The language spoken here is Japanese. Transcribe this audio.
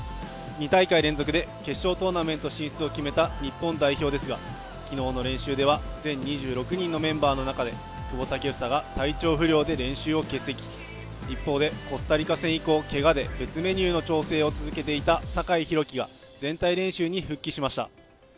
２大会連続で決勝トーナメント進出を決めた日本代表ですが昨日の練習では全２６人のメンバーの中で久保建英が体調不良で練習を欠席、一方でコスタリカ戦以降けがで別メニューの調整を続けていた酒井宏樹は全体練習に復帰しました。